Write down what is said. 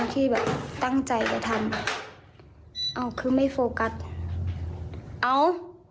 ที่แบบตั้งใจจะทำเอาคือไม่โฟกัสเอา